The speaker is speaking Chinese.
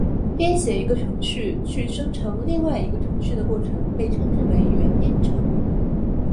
编写一个程序去生成另外一个程序的过程被称之为元编程。